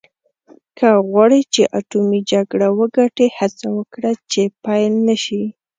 که غواړې چې اټومي جګړه وګټې هڅه وکړه چې پیل نه شي.